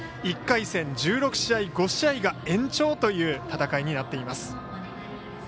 １回戦１６試合、５試合が延長という戦いとなっています。